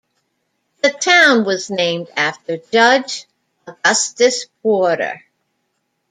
The town was named after Judge Augustus Porter.